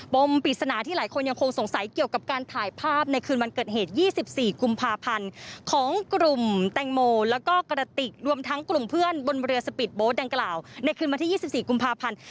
มปริศนาที่หลายคนยังคงสงสัยเกี่ยวกับการถ่ายภาพในคืนวันเกิดเหตุ๒๔กุมภาพันธ์ของกลุ่มแตงโมแล้วก็กระติกรวมทั้งกลุ่มเพื่อนบนเรือสปีดโบ๊ทดังกล่าวในคืนวันที่๒๔กุมภาพันธ์